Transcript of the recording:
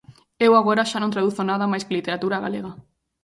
Eu agora xa non traduzo nada máis que literatura galega.